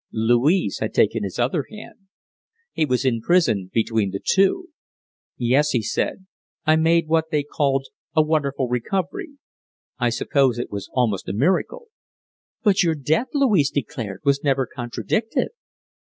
Louise had taken his other hand. He was imprisoned between the two. "Yes!" he said, "I made what they called a wonderful recovery. I suppose it was almost a miracle." "But your death," Louise declared, "was never contradicted."